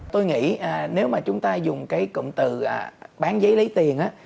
tôi nghĩ nếu mà chúng ta dùng cái cụm từ bán giấy lấy tiền á